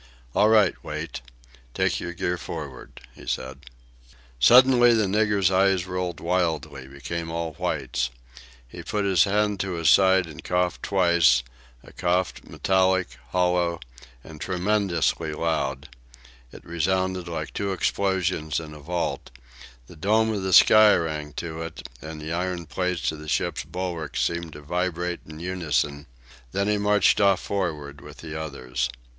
All right, Wait. Take your gear forward," he said. Suddenly the nigger's eyes rolled wildly, became all whites. He put his hand to his side and coughed twice, a cough metallic, hollow, and tremendously loud; it resounded like two explosions in a vault; the dome of the sky rang to it, and the iron plates of the ship's bulwarks seemed to vibrate in unison, then he marched off forward with the others.